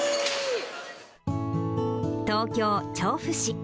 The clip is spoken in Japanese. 東京・調布市。